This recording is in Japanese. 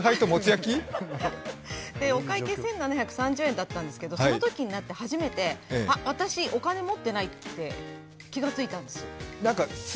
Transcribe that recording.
お会計、１７３０円だったんですけど、そのときになって初めて、私、お金持ってないって気がついたんです。